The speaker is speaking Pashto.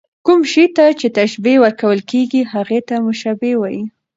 کوم شي ته چي تشبیه ورکول کېږي؛ هغه ته مشبه وايي.